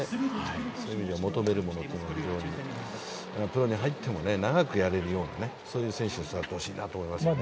そういう意味では求めるものも、プロに入っても長くやれるような選手に育ってほしいと思いますね。